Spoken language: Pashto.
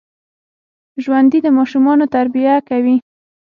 ژوندي د ماشومانو تربیه کوي